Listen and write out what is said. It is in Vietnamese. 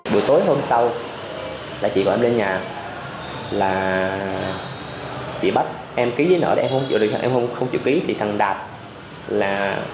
buổi tối hôm sau là chị gọi em đến nhà là chị bắt em ký giấy nợ em không chịu ký thì thằng đạt là